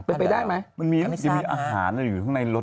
หมายความพิธีเยาก็จะบินได้อยู่ภายในรถ